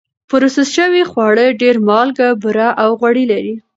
پروسس شوي خواړه ډېر مالګه، بوره او غوړي لري.